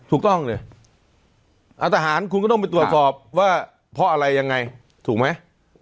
ถูกต้องเลยทหารคุณก็ต้องไปตรวจสอบว่าเพราะอะไรยังไงถูกไหม